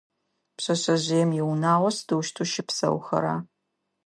Пшъэшъэжъыем иунагъо сыдэущтэу щыпсэухэра?